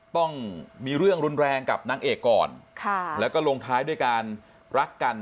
ต้องมีเรื่องรุนแรงกับนางเอกก่อนแล้วก็ลงท้ายด้วยการรักกัน